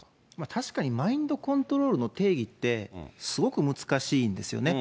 確かにマインドコントロールの定義って、すごく難しいんですよね。